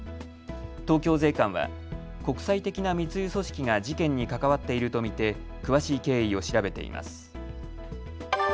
東京税関は国際的な密輸組織が事件に関わっていると見て詳しい経緯を調べています。